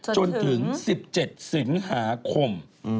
จนถึง๑๗สิงหาคม